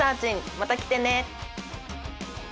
また来てね